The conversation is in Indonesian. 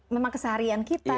memang keseharian kita